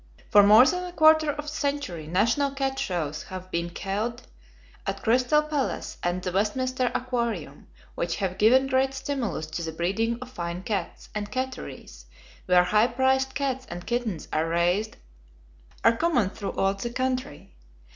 For more than a quarter of a century National Cat Shows have been held at Crystal Palace and the Westminster Aquarium, which have given great stimulus to the breeding of fine cats, and "catteries" where high priced cats and kittens are raised are common throughout the country.